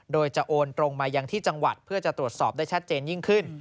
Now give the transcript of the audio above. โดยจะโอนตรงมายังที่จังหวัดเพื่อจะตรวจสอบได้ชัดเจนยิ่งขึ้น